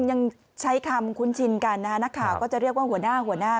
ก็ยังใช้คำคุณชินกันนะนักข่าวก็จะเรียกว่าหัวหน้า